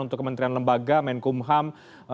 untuk kementerian lembaga menkumham